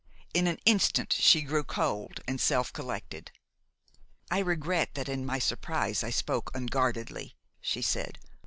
In an instant she grew cold and self collected. "I regret that in my surprise I spoke unguardedly," she said.